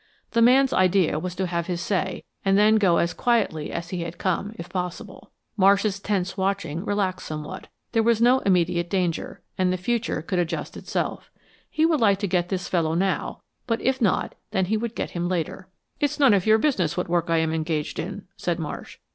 The man's idea was to have his say, and then go as quietly as he had come, if possible. Marsh's tense watching relaxed somewhat. There was no immediate danger, and the future could adjust itself. He would like to get this fellow now, but if not, then he would get him later. "It is none of your business what work I am engaged in," said Marsh.